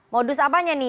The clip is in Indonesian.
modus apanya nih